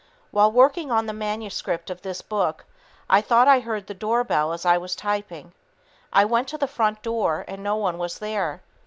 While working on the manuscript of this book, I thought I heard the doorbell as I was typing. I went to the front door and no one was there.